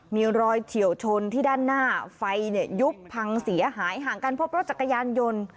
มีรอยเฉียวชนที่ด้านหน้าไฟยุบพังเสียหายห่างกันพบรถจักรยานยนต์